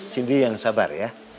cindy yang sabar ya